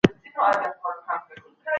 هغه پوهه چي انسان یې ترلاسه کوي ګټوره ده.